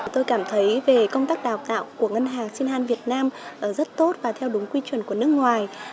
tôi cảm thấy về công tác đào tạo của ngân hàng sinhan việt nam rất tốt và theo đúng quy truẩn của nước ngoài